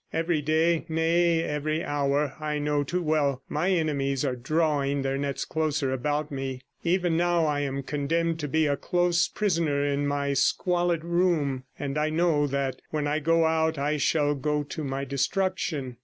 Every day — nay, every hour, I know too well my enemies are drawing their nets closer about me; even 130 now I am condemned to be a close prisoner in my squalid room, and I know that when I go out I shall go to my destruction.